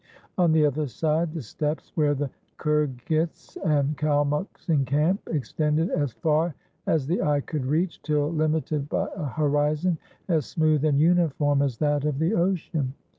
On the other side, the steppes, where the Kirghiz and Kalmuks encamp, extended as far as the eye could reach, till limited by a horizon as smooth and uniform as that of the ocean.